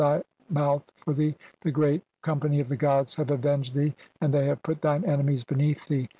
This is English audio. thy mouth for thee. The Great Com "pany of the gods have avenged thee, and they "have put thine enemies beneath thee.